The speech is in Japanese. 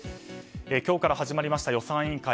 今日から始まりました予算委員会